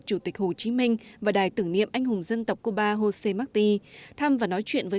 chủ tịch hồ chí minh và đài tưởng niệm anh hùng dân tộc cuba jose marti thăm và nói chuyện với